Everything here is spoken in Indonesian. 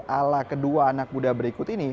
ala kedua anak muda berikut ini